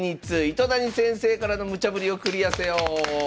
糸谷先生からのムチャぶりをクリアせよ！